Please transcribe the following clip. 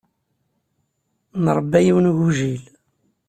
Nṛebba yiwen n ugujil.